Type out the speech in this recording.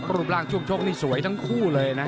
รูปร่างช่วงชกนี่สวยทั้งคู่เลยนะ